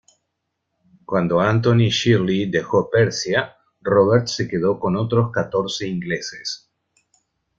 Cuando Anthony Shirley dejó Persia, Robert se quedó con otros catorce ingleses.